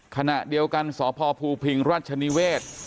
ขณะเดียวกันสพภูพิงราชนิเวศ